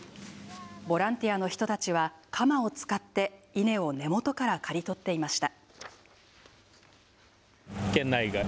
ボランティアの人たちは、鎌を使って稲を根元から刈り取っていました。